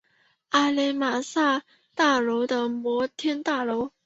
阿勒玛斯大楼的摩天大楼。